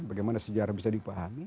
bagaimana sejarah bisa dipahami